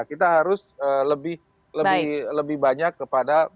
kita harus lebih banyak kepada bagi bagi